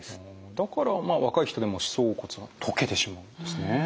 だからまあ若い人でも歯槽骨溶けてしまうんですね。